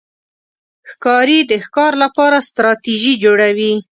ښکاري د ښکار لپاره ستراتېژي جوړوي.